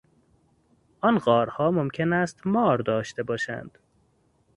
آن غارها ممکن است مار داشته باشند.